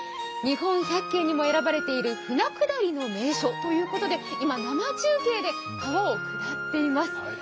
日本百景にも選ばれている舟下りの名所ということで今、生中継で川を下っています。